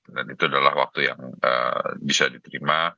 dan itu adalah waktu yang bisa diterima